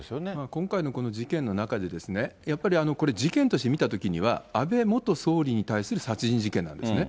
今回のこの事件の中で、やっぱりこれ、事件として見たときには、安倍元総理に対する殺人事件なんですね。